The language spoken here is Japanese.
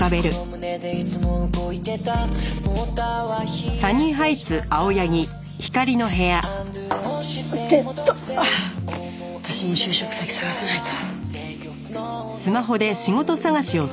さてと私も就職先探さないと。